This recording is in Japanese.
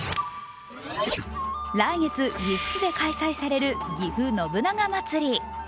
来月岐阜市で開催されるぎふ信長まつり。